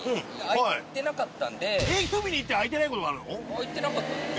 開いてなかったんです。